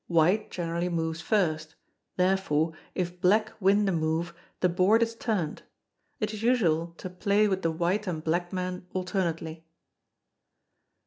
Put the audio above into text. White generally moves first; therefore, if black win the move, the board is turned. It is usual to play with the white and black men alternately.